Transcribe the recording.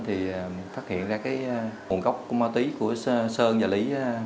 thì phát hiện ra cái nguồn gốc ma túy của sơn và lý